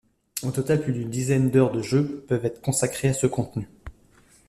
Au total, plus d'une dizaine d'heures de jeu peuvent être consacrées à ce contenu.